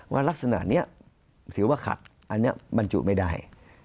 ลักษณะนี้ถือว่าขัดอันนี้บรรจุไม่ได้